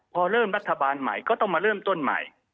พอเริ่มรัฐบาลใหม่ก็ต้องมาเริ่มต้นใหม่